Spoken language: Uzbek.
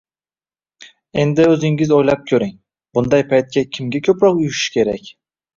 Endi o'zingiz o'ylab ko'ring, bunday paytda kimga ko'proq uyushish kerak?